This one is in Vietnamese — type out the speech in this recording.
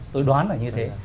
tôi đoán là như thế